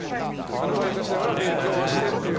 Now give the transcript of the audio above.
アルバイトしながら勉強をしてっていう。